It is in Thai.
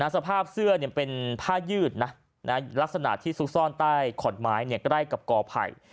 สภาพเสื้อเป็นผ้ายืดนะลักษณะที่ซุกซ่อนใต้ขอนไม้ใกล้กับกอไผ่